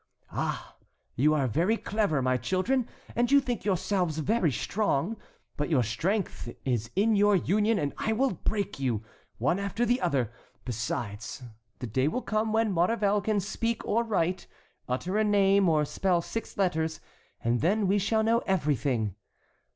Ah, you are very clever, my children, and you think yourselves very strong. But your strength is in your union and I will break you, one after the other. Besides, the day will come when Maurevel can speak or write, utter a name, or spell six letters, and then we shall know everything.